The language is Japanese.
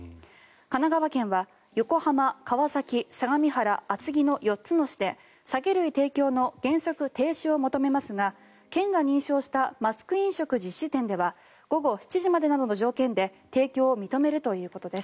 神奈川県は横山、川崎、相模原厚木の４つの市で酒類提供の原則停止を求めますが県が認証したマスク飲食実施店では午後７時までなどの条件で提供を認めるということです。